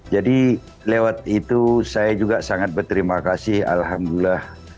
jadi lewat itu saya juga sangat berterima kasih alhamdulillah